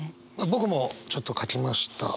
僕もちょっと書きました。